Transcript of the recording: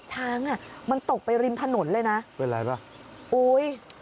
ช้างอ่ะมันตกไปริมถนนเลยนะเป็นไรป่ะอุ้ย